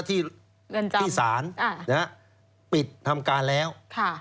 ที่เรือนจำที่สารอ่านะฮะปิดทำการแล้วค่ะ